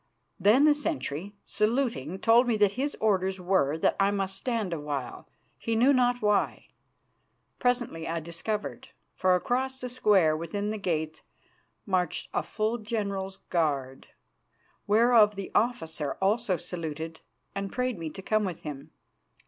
Then the sentry, saluting, told me that his orders were that I must stand awhile, he knew not why. Presently I discovered, for across the square within the gates marched a full general's guard, whereof the officer also saluted, and prayed me to come with him.